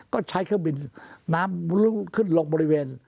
ก็ใช้เครื่องบินน้ำลุกขึ้นลงบริเวณ